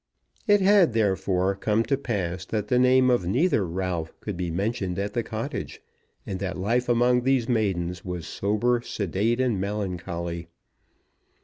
It had, therefore, come to pass that the name of neither Ralph could be mentioned at the cottage, and that life among these maidens was sober, sedate, and melancholy.